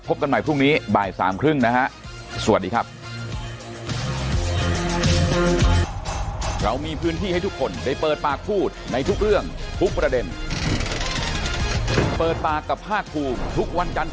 พบกันใหม่พรุ่งนี้บ่ายสามครึ่งนะฮะ